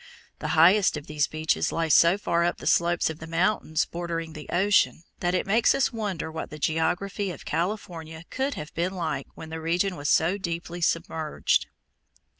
The highest of these beaches lies so far up the slopes of the mountains bordering the ocean that it makes us wonder what the geography of California could have been like when the region was so deeply submerged.